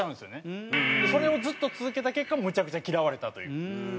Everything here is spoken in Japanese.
それをずっと続けた結果むちゃくちゃ嫌われたという。